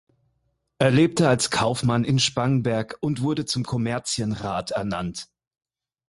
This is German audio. Er lebte als Kaufmann in Spangenberg und wurde zum Kommerzienrat ernannt.